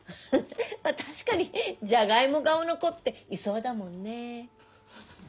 まあ確かにじゃがいも顔の子っていそうだもんねえ。